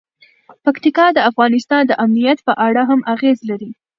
پکتیکا د افغانستان د امنیت په اړه هم اغېز لري.